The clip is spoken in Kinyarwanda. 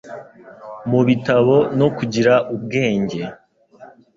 mu bitabo no kugira ubwenge,”